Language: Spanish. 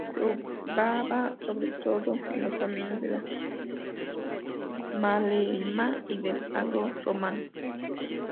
Robaba sobre todo en los caminos de la Maremma y del Agro romano.